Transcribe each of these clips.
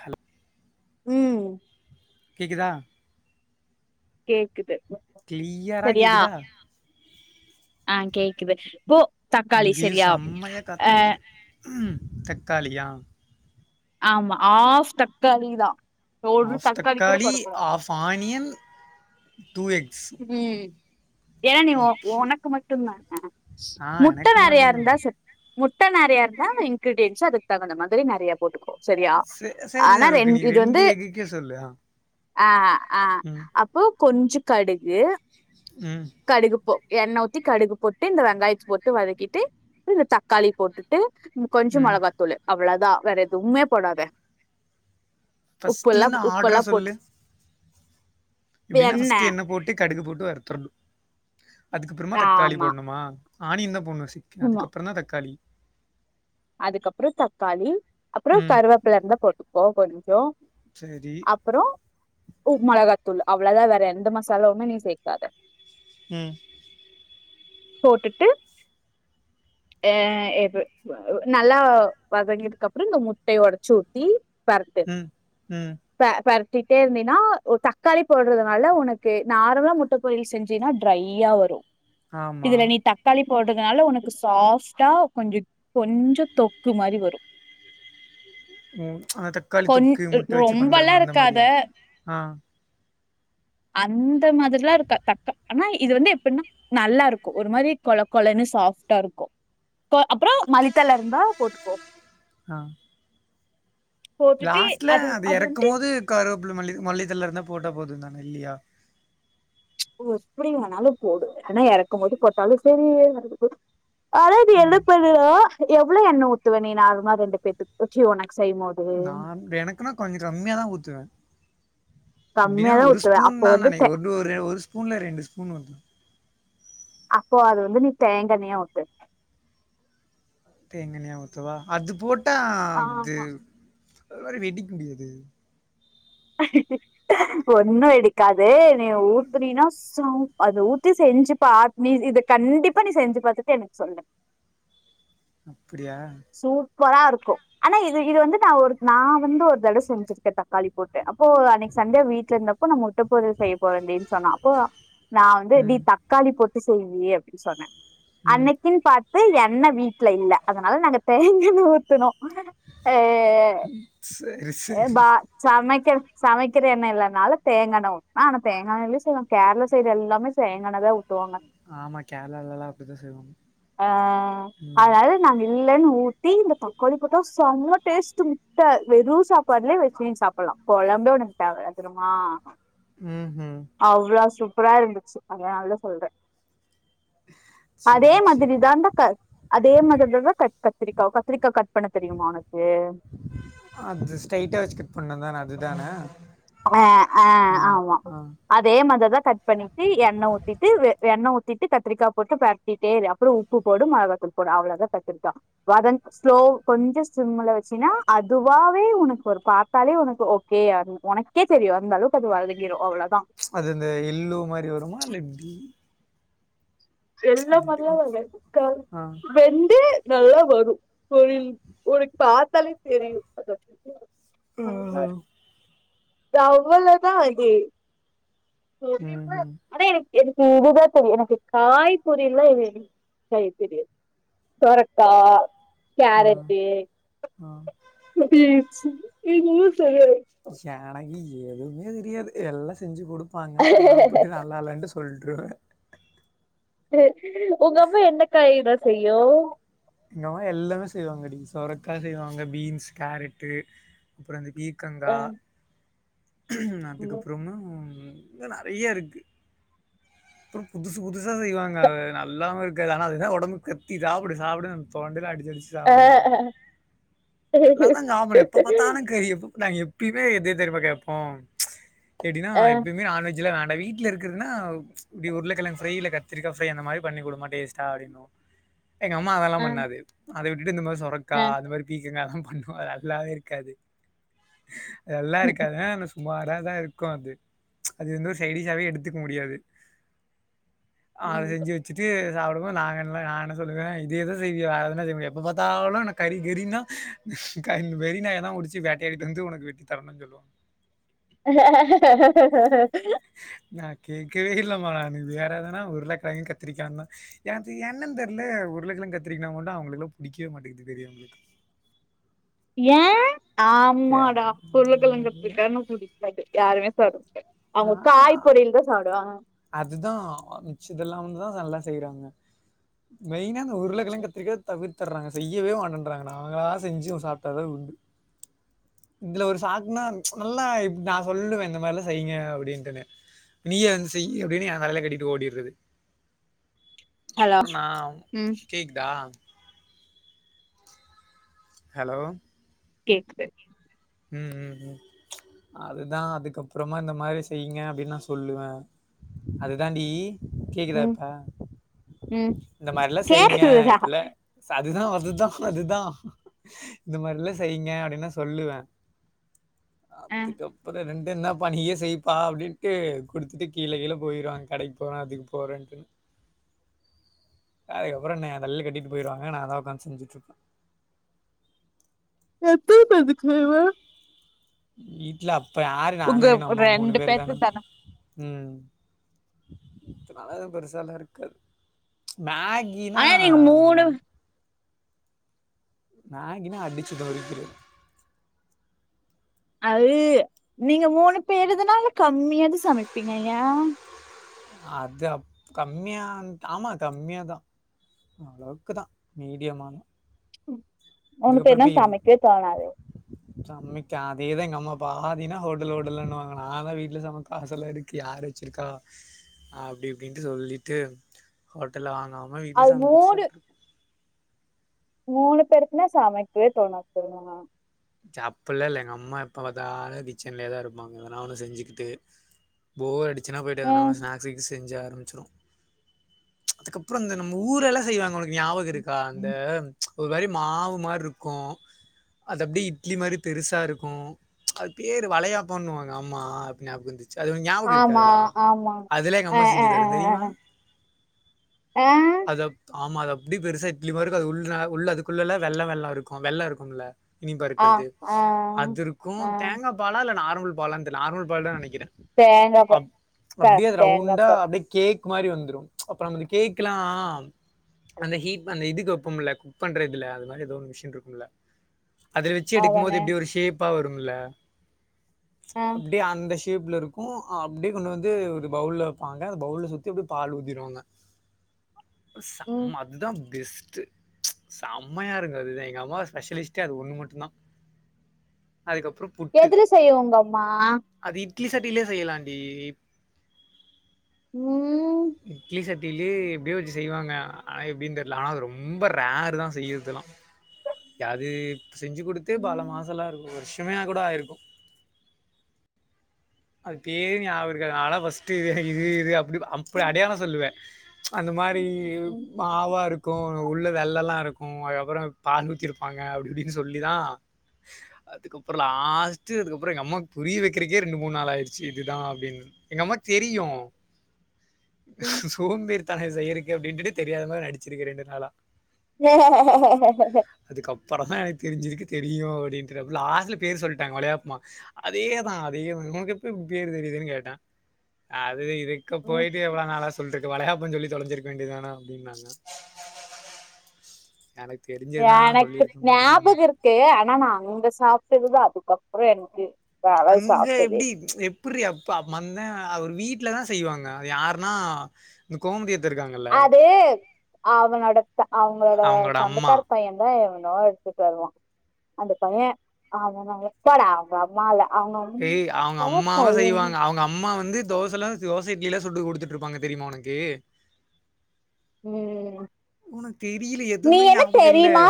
Hello ம் கேக்குதா கேக்குது கிளியரா சரியா கேக்குதா ஆ கேக்குது போ தக்காளி இங்கயு சரியா செம்மையா ஆ காத்தடிக்குது தக்காளியா ஆமா ஆஃப் தக்காளிதா ஆஃப் தக்காளி ஆஃப் ஆனியன் டூ எக்ஸ் ம் ஏ நீ ஒ ஓகே ஒனக்கு மட்டும்தானா ஆ முட்ட எனக்கு நெறயா மட்டுந்தா இருந்தா செரி முட் முட்ட நெறையா இருந்தா இன்கிரீடியன்ஸு அதுக்கு தகுந்த மாதிரி நெறையா போட்டுக்கோ சரியா சே ஆனா சேரிதா ரெண் ஓகே நீ இது வந்து ரெண்டு எக்குக்கே சொல்லு ஆ ஆ ஆ ம் அப்போ கொஞ்ச கடுகு ம் கடுகு போ எண்ண ஊத்தி கடுகு போட்டு இந்த வெங்காயத்த போட்டு வதக்கிட்டு இந்த தக்காளி போட்டுட்டு ம் கொஞ்ச மெளகாத்தூளு அவ்ளா தா வேற எதுவுமே போடாத உப்பல்லா ஃபஸ்ட்லருந்து உப்பல்லா போட்டு எப்டினா எண்ணெ ஃபஸ்ட்டு எண்ண போட்டு கடுகு போட்டு வறுத்தறனு அதுக்கப்புறமா தக்காளி ஆமா போடணுமா ஆனியன்தா போட்ணு சிக் அதுக்கப்புறம்தா தக்காளி அதுக்கப்புறோ தக்காளி அப்புறோ ம் கருவேப்பில இருந்தா போட்டுக்கோ கொஞ்சோ சரி அப்பறோ உ மெளகா த்தூள் அவ்ளதா வேற எந்த மசாலாவுமே நீ சேக்காத உம் போட்டுட்டு ஏ நல்லா வதங்கனதுக்கு அப்புறம் இந்த முட்டையை ஒடச்சு ஊத்தி பேரட்டு ம் ம் பே பேர சுட்டிட்டே இருந்தனா தக்காளி போடுறதுனால உனக்கு நார்மலா முட்டை பொரியல் செஞ்சுனா டிரைய்யா வரும் ஆமா இதுல நீ தக்காளி போடுறதுனால உனக்கு சாஃப்ட்டா கொஞ்சம் கொஞ்சம் தொக்கு மாதிரி வரும் ஓ ஆ தக்காளி தொக்கு முட்டை வச்சு பண்றது ரொம்பல்லா அந்த இருக்காத மாரியா ஆஹ் அந்த மாதிர எல்லாம் இருக்கா தக்க ஆனா இது வந்து எப்படின்னா நல்லா இருக்கும் ஒரு மாதிரி கொழ கொழன்னு சாஃப்ட்டா இருக்கும் அப்புறம் போட்டுக்கோ ஆஹ் லாஸ்ட்ல அது இறக்கும் போது கருவேப்புல மல்ல மல்லித்தல்ல இருந்தா போட்டா போதும் தான இல்லியா ஓ எப்படி வேணாலும் போடு ஆனா இறக்கும் போது போட்டாலும் சரி அதனா இது என்ன ம். பண்ணுனா எவ்ளோ எண்ணெய் ஊத்துவ நீ நார்மல ரெண்டு பேத்துக்கு ச்சி உனக்கு செய்யும்போது நான் எனக்குன்னா கொஞ்சம் கம்மியாதான் ஊத்துவேன் எப்பிடின்னா கம்மியாதா ஒரு ஊத்துவ ஸ்பூன் அப்போ தான் வந்து தே நினைக்கேன் ஒ ஒரு ஸ்பூன்ல ரெண்டு ஸ்பூன் ஊத்து அப்போ அது வந்து நீ தேங்கா எண்ணெய்யா ஊத்து தேங்கா எண்ணெய்யா ஊத்துவா அது போட்டு ஆஹமா ஒரு மாரி வெடிக்கும் டி அது ஒண்ணும் வெடிக்காது எண்ணெய்ய ஊத்துனினா சௌ அத ஊத்தி செஞ்சு பாத்து நீ இத கண்டிப்பா நீ செஞ்சு பாத்துட்டு எனக்கு சொல்லு ம் அப்படியா சூப்பரா இருக்கும் ஆனா இது இது வந்து நான் ஒரு நான் வந்து ஒரு தடவை செஞ்சுருக்கேன் தக்காளி போட்டு அப்போ அன்னைக்கு சண்டையா வீட்ல இருந்தப்போ நம்ம செய்ய போறன் டி சொன்னா அப்போ நான் வந்து இப்டி ம், தக்காளி போட்டு செய் டி அப்படின்னு சொன்னேன் ம். அன்னைக்கிண்ணு பாத்து எண்ணெய் வீட்டுல இல்ல அதனால நாங்க தேங்கெண்ண ஊத்தனு ஏ சரி, சரி. பா சமைக் சமைக்கிற எண்ணெ இல்லனால தேங்கா எண்ணெ ஊதனா ஆனா தேங்கா எண்ணெலியு செய்வா கேரள சைடு எல்லாமே தேங்கா எண்ணெதா த்துவாங்க ஆமா கேரளாலலாம் அப்படிதான் செய்வாங்க. ஆ ம். அதாவது நாங்க இ ஊட்டி இந்த தக்காளி போட்ட செம டேஸ்ட் முட்ட வெறு சாப்பாலே வெச்சி நீ சாப்பிலா கொழம்பே உனக்கு தேவையில்ல திரியுமா ம் ம் புரா இருந்துச்சி அதனாலதா சொல்றே அதே சரி, சரி. மாதிரிதா இந்த க அதே மாதிரிதா கட் கத்திரிக்கா கத்திரிக்கா கட் பண்ண தெரியுமா உனக்கு அது ஸ்ட்ரைட்டா வச்சு கட் பண்ணதானே அதுதானே ஆ ஆ ஆமா ஆ அதே மாததா கட் பண்ணிட்டு எண்ணெ ஊத்திட்டு எண்ணெ ஊத்திட்டு கத்திரிக்கா போட்டு பிரட்டிடே இரு அப்புறோ உப்பு போடு மெளகாதூள் போடு அவ்ளதா கத்திரிகா வதந் ஸ்லோ கொஞ்சோ சிம்ல வச்சின்னா அதுவாவே உனக்கு ஒரு பத்தாலே உனக்கு ஓகே உனக் கே தெரியு அந்தளவுக்கு அது வந்தகிரு அவ்ளோதா அது இந்த எள்ளு மாரி வருமா இல்ல எப்பிடி எல்லோ மாரியா வெ க ஆ வெந்து நல்லா வரு ஒரு உனக்கு பாத்தாலே தெரியு அத ஹ் ஹோ து அவ்ளோதா இது சொருவிப்போ ம்ஹும் அடே எனக்கு இதுதா தெரியு எனக்கு காய்புரியலாவே எனக்கு செய்ய தெரியாது சொரக்க ஆ கேரட்டு ஆ [unintelligible] ஜானகி எதுவுமே தெரியாது எல்லா செஞ்சி குடு ப்பாங்க சாப்ட்டு நல்லா இல்லன்ட்டு சொல்றே [unintelligible] உங்க அம்மா என்ன காய்டா அய்யோ எங்கமா எல்லாமே செய்வாங்கடி சொரக்கா செய்வாங்க பீன்ஸ் கேரட்டு அப்புறோ இந்த பீ அ க்கங்கா ம் அதுக்கப்புறமா நெறைய இருக்கு அப்புறம் புதுசு புதுசா செய்வாங்க ஹ நல்லாவே இருக்காது ஆனா அது தா ஒடம்பு சக்தி சாப்டு அப்டிதா தோண்டல அடிச் அ சாப்பிடுங்க அ எல்லாம் தான் சாப்பிடணும் எப்ப பார்த்தாலும் கறி எப்பங்க எப்யுமே எது தெரிமா கேட்போம் கேட்டீங்கன்னா அ எப்பவுமே இல்ல நானு வீட்டுல இருக்குதுன்னா இப்டி உருளைக்கிழங்கு ஃப்ரை இல்ல கத்திரிக்காய் ஃப்ரை அந்த மாரி பண்ணி குடுமா டேஸ்டா அப்டின்னு எங்க அம்மா அதெல்லாம் பண்ணாது அ அத விட்டு இந்த மாரி சொரக்கா அது மாரி பீக்க்கங்கால்லா ஒண்ணும் நல்லாவே இருக்காது எல்லா இருக்காங்க ரொம்ப சுமாராதா இருக்கும் அது அது வந்து ஒரு சைடிஷாவே எடுத்துக்க முடியாது அத ம் செஞ்சு வச்சுட்டு அவ்வளவும் நாங்க எல்லா சொல்லுங்க இதே தா செய்வியா எப்ப பாத்தாலும் கறி கறின்னா வெறி நாய் தா புடிச்சு வேட்டையாடிட்டு வந்து உனக்கு வெட்டி தரணும்னு சொல்லுவாங்க [inaudible] நான் கேட்கவே இல்லமா நா வேற ஏதன்னா ஒரு உருளைக்கெழங்கு கத்திரிக்கலானு தா எனக்கு என்னன்னு தெரில உருளைக்கெழங்கு கத்திரிக்கானா மட்டும் அவுங்களுக்கு எல்லா புடிக்கவே மாட்டுங்குது தெரில ஏன் தே ஆமாடா உருளகெழங்கு கத்திரிக்கானா புடிக்காது யாருமே சாப்ட மாட்டாங்க அ அவுங்க அ காய் பொறியல் தா சாப்டுவாங்க அதுதான் மிச்சதெல்லாம் வந்து தான் நல்லா செய்றாங்க மெய்னா உருளைக்கெழங்கு கத்திரிக்கா தவிர்த்து டுறாங்க செய்யவே மாட்டேன்றாங்க நாங்கள செஞ்சும் சாப்ட்டதா உண்டு இதுல ஒரு சாக்குனா நல்லா நா சொல்லுவேன் இந்த மாரில்லாம் செய்யுங்க அப்டின்னுட்டு நீய வந்து செய் அப்டின்னு என் தலையில கட்டிட்டு ஓடிறது ஹலோ அதுக்கப்பறம் நான் ம் கேக்குதா ஹலோ கேக்குது உஹம் உம் உம் அதுதா அதுக்கப்பறமா இந்த மாரி செய்யுங்க அப்டின்னு நான் சொல்லுவேன் அது தாண்டடி கேக்குதா ம் இப்ப ம் இந்த மாரில்லாம் செய்யுங்க கேக்குதுதா இப்ப ல அதுதா அதுதா அதுதா இந்த மாரில்லாம் செய்யுங்க அப்டின்னா சொல்லுவேன் ஆ அதுக்கப்புறம் ரெண் என்னப்பா நீயே செய்ப்பா அப்டின்ட்டு குடுத்துட்டு கீழே கீழே போயிருவாங்க கடைக்கு போறேன் அதுக்கு போறேன்ட்டு அதுக்கப்புறம் என் தலைல கட்டிட்டு போயிருவாங்க நான் அதான் உக்காந்து செஞ்சுட்டு இருப்பேன் எத்தனை பேருக்கு செய்வ வீட்லப் இப்ப யாருங்க உங்க அண்ணனும் அம்மா மூணு ரெண்டு பேரு தான பேத்துக்கு உம் இதனால பெருசாலம் இருக்காது மகினா ஆனா நீங்க மூணு மகினா அடிச்சு நொறிக்கிருவே அது நீங்க மூணு பேருதுனால கம்மியாதா சமைப்பீங்க யா அது அப் கம்மியா ஆமா கம்மியாதா அளவுக்குதா மீடியமாலா ம் மூணு பேர்னா சமைக்கவே தோணாது சம்மைக்க அதேதா எங்க அம்மா அப்பா ஆதினா ஹோட்டல் ஓட்டல்லுனுவாங்க நான தா வீட்டுல சமப்பா காசல இருக்கு யார் வச்சிருக்கா அப்படி அப்படின்ட்டு சொல்லிட்டு ஹோட்டல்ல வாங் நாம வீட்டுல அது சமைப்பிச்சு மூணு [inaudible] மூணு பேருக்குனா சமைக்கவே தோணாது தெர்மா ச்ச அப்பல்லா இல்ல எங்க அம்மா எப்ப பாத்தாலு கிச்சன்லயேதா இருப்பாங்க எதனா ஒண்ணு செஞ்சுக்கிட்டு போர் அடிச் [unintelligible] போய்டு ம் எதனானு ஸ்னாக்ஸ்ஷீசு செஞ்சா [unintelligible] அதுக்கப்புறோ இந்த நம்ம ஊர எல்லா செய்வாங்க உளுக் ஞாபகம் இருக்கா அந்த ஒரு மாரி மாவு மாரி இருக்கு அ அது அப்டி இட்லி மாரி பெருசா இருக்கு அது பேர் வளையா பண்ணுவாங்க ஆமா அப்படி ஞாபக இருந்துச் ச்ச அது ஞாபக இருக்கு ஆமா அதெல்லா ஆமா அதுல ஆ கம்மா ஆ செஞ்சு தரும் தெரியுமா ஆ ஆ அத ஆமா அத அப்படி பெருசா இட்லி மாரி இருக்கு அது உள்ள உள்ள அதுக்குள்ள வெள்ள வெள்ள இருக்கு வெள்ளம் இருக்கும்ல இனிப்பா ஆ இருக்கிறது ஆ அது இருக்கு ஆ தேங்கா பாலா இல்ல நார் நார்மல் பால தெர்ல நார்மல் பால் தா நைக்கிற தேங்கப்பா அ தேங்கப்பால் க்கு மாரி வந்துரு அப்ப நம்ம கேக் எல்லா அந்த ஹீட் அந்த இதுக்கு வைப்போம்ல குக் பண்ற இதுல அது மாரி ஏதோ மிஷின் இருக்கும்ல அதுல வச்சு எடுக்கும் போது அவனு எப்படி ஒரு ஷேப் அப்பா வரும்ல ஆ அப்படியே அந்த ஃஸே ஷேப்ல இருக்கு அப்படியே கொண்டு வந்து ஒரு பவுல்ல வைப்பாங்க அந்த பவுல்ல சுத்தி அப்படியே பால் ஊதிடுவாங்க ம் செம்ம அதுதா பேஸ் செம்மையா இருங்க அதுதா எங்க அம்மா ஸ்பெஷலிஸ்ட் டே ஒண்ணு மட்டு தா எதுல செய்வோங்கம்மா அது இட்லி சட்டில்லா செய்யலாண்டி உம் எப்டியோ வச்சு செய்வாங்க ஆனா எப்டினு தெரியல ஆனா அது ரொம்ப ரேரு தா செய்யறது எல்லா அது செஞ்சு குடுத்து பல மாசம்ல இருக்கு வருஷ மையா கூட ஆயிருக்கு அது பேரு ஞாபக இருக்காது ஆனா பஸ்ட் இது இது அப்டி அப்டி அடையாளோ சொல்லுவே அந்த மாரி மாவா இருக்கு உள்ள வெள்ளல்லா இருக்கு அதுக்கு அப்பறோ பால் ஊத்திருப்போ ப்பாங்க அப்டி இப்டின்னு சொல்லிதா அதுக்கப்றோ லாஸ்டு அதுக்கப்பறோ எங்க அம்மாக்கு புரிய வெக்குறதுக்கே ரெண்டு மூனு நாள் ஆயிடுச்சு இதுதா அப்டின்னு எங்க அம்மாக்கு தெரியு சோம்பேறி த செய்யுறக்கே அப்டின்ட்டு தெரியாத மாரி நடிச்சிருக்கு ரெண்டு நாளா ஹ ஹ [unintelligible] அதுக்கப்புறதா எனக்கு தெரிஞ்சதுக்கு தெரியு அப்டினுட்டு லாஸ்டல பேரு சொல்லிட்டாங்க வளையப்மா அதேதா அதேப்ப உனக்கேப்டி பேரு தெரியுதுன்னு கேட்டே இதுக்கு போயிட்டு எவ்ளோ நாளா சொல்லிட்ருக்கு வளைய சொல்லி தொலைஞ்சிருக்க வேண்டியதான அப்டினாங்க எனக்கு தெரிஞ்சதுதா ஞாபக இருக்கு ஆனா நா அங்க சாப்ட்டதுதா அதுக்கு அப்றோ எனக்கு வேலை அங்க சாப்பிட்டது எப்டி எப்புரிஅப்ப அவர் வீட்ல வீட்ல தா செய்வாங்க அது யாருன்னா இந்த கோமுடிய அது அவனோட அவங்களோட சொந்தக்கார பையந்தா எடுத்துட்டு வருவா அந்த பைய அவ எப்படா அவுங்க அம்மால ஏய் அவுங்க அம்மாவ செய்வாங்க அவுங்க அம்மா வந்து தோசைல்லா தோச இட்லி எல்லா சுட்டு குடுத்துட்டு இருப்பாங்க தெரியுமா உம் உனக்கு தெரியல நீ எதுவுமே என்ன ஞாபக இல்ல தெரியுமா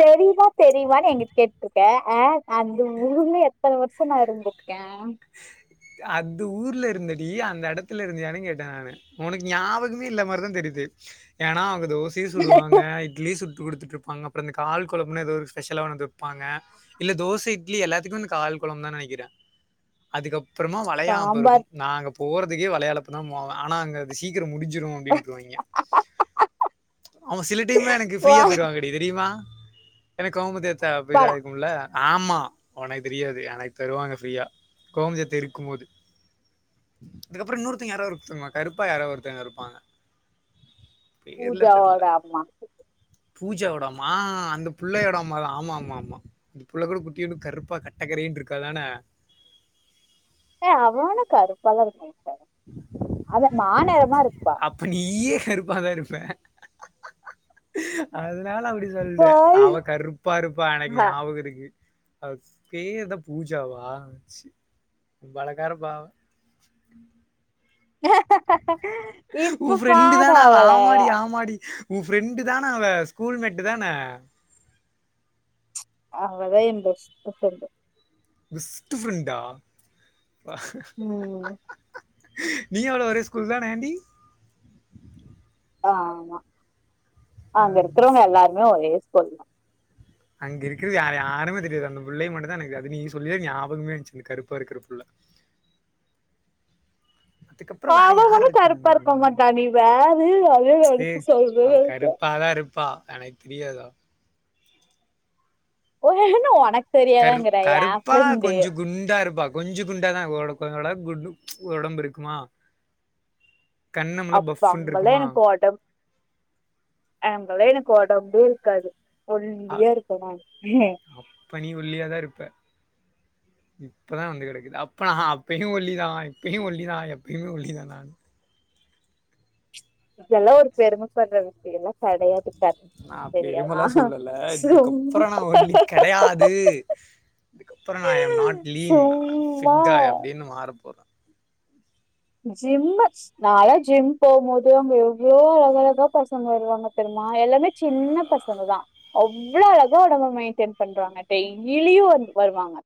தெரியுமா தெரியுமான்னு எங்கிட்ட கேட்டுட்டு இருக்க ஆ அந்த ஊருர்ல எத்தன வருஷம நா இருந்துருக்கே அந்த ஊர்ல இருந்தடி அந்த எடத்ல இருந்தியானு கேட்டே நானு உனக்கு ஞாபகமே இல்லாத மாரிதா தெரியுது ஏன்னா அவுங்க தோசையு சுடுவாங்க இட்லி சு குடுத்துட்டு இருப்பாங்க அப்றோ இந்த கால் குழம்புனு எதோ ஒரு ஸ்பெஷலா வந்து இருப்பாங்க இல்ல தோசை இட்லி எல்லாத்துக்கு கால் குழபு தா நெனைக்கிறே அதுக்கப் அப்புறமா வளையாம ப இருக்கு சாம்பார் நாங்க போறதுக்கே விலையாளப்பு தா ஆனா அங்க அது சீக்கிரோ முடிச்சு செஞ்சுருவோ அப்டின்றுவாய்ங்க அவன் சில டைம்ல எனக்கு வா ஃபிரீயா தருவாங்கடி தெரியுமா எனக்கு கோமதிஅத்த அப்டிதா வாடா இருக்கும்ல ஆமா உனக்கு தெரியாது எனக்கு தருவாங்க ஃப்ரீயா கோமதிஅத்த இருக்கு போது அதுக்கப்புறோ இன்னொருத்தங்க யாராவ இருதுங்கமா கருப்பா யாராவ ஒருத்தவுங்ங இருப்பாங்க பேர்ல பூஜா தெரில வோட அம்மா பூஜாவோட அம்மா ஆ அந்த புள்ளையோட அம்மா ஆமா ஆமா ஆமா இந்த புள்ளை கூட குட்டி ஒன்னுகருப்பா கட்டக்கரையன்னு இருக்காதானே அத மாநெரமா இருப்பா அப்ப நீயே கருப்பாதா இருப்ப அது நா லா அப்டி சொல்ற அவ கருப்பா இருப்பா எனக்கு ஞாபகம் இருக்கு அவ பேர் என்ன பூஜா வா அழகாரப்ப உ இப்ப ஃப்ரெண்டு பாரு தன அவ அவள ஆமாடி ஆமாடி உன் ஃப்ரெண்டு தான அவ ஸ்கூல்மேட்டு் தான அவதா எ பெஸ்ட் ஃப்ரண்ட் பெஸ்ட் ஃப்ரண்டா ம் நீ அவ்வளவு ஒரே ஸ்கூல் தான ஏண்டி ஆ ஆமா அங்க அது ஸ் இருக்கிறவுங்க எல்லாருமே ஒரே சொல்லா அங்க இருக்கிறது யா யாருமே தெரியாது அந்த பிள்ளைய மட்டு தா எனக்கு அது நீ சொல்லித ஞாபகமே இருந்துச்சு கருப்பா இருக்கிற புள்ள அதுக்கப்புறோ தா வேற அவ யார் ஒன்னு இருக்கா கருப்பா இருக்க மாட்டா நீ வேற அதே ஏ நெனச்சு சொல்ற அவ கருப்பா தா இருப்பா எனக்கு தெரியாதோ [unintelligible] ஒனக் கரு கருப்பா கொஞ்சோ குண்டா இருப்பா கொஞ்சு குண்டா தா ஓரளவுக் பரவால குண்டு ஒடம்பு இருக்குமா கண்ணமெல்லாம் அப்ப பஃப்னு அங்கல்லா இருக்குமா எனக்கு ஒடம் அங்கல்லா எனக்கு ஒடம்பே இருக்காது அ- ஒல்லியா இருப்ப நானு அப்ப நீ ஒல்லியா தான் இருப்ப இப்பதான் வந்து கிடைக்குது அப்ப அப்பயும் ஒல்லிதான் இப்பயும் ஒல்லி தான் எப்பயுமே ஒல்லி தான் நான்னு இதெல்லாம் ஒரு பெருமைப்படுற விஷயம்ல்லாம் கெடையாது கத் நான் அப்படி சரியா விரும்பலாம் சொல்லல சும்மா இதுக்கப்புறம் நான் ஒல்லி கெடையாது இதுக்கப்புறம் நான் ஐம் நாட் லீன் சும்மா பிட் அப்படின்னு மாற போறேன் ஜிம் நாலாம் ஜிம் போகும்போது அங்க எவ்வளோ அழக அழகா பசங்க வருவாங்க தெரியமா எல்லாமே சின்ன பசங்க தான் அவ்வளவு அழகா உடம்ப மெயின்டெய்ன் பண்றாங்க டெய்லியும் வந்து வருவாங்க